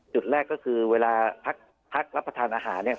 จุดแรกก็คือเวลาพักรับประทานอาหารเนี่ย